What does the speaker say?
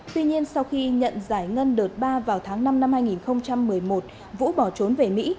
tuy nhiên sau khi nhận giải ngân đợt ba vào tháng năm năm hai nghìn một mươi một vũ bỏ trốn về mỹ